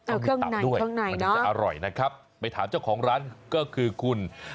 เออเครื่องไหนเครื่องไหนนะมันจะอร่อยนะครับไปถามเจ้าของร้านก็คือคุณ